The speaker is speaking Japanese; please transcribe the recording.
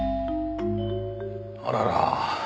あらら。